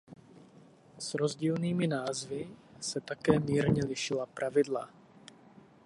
S rozdílnými názvy se také mírně lišila pravidla.